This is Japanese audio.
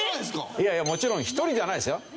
いやいやもちろん１人じゃないですよ。